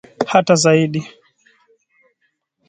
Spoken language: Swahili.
hata zaidi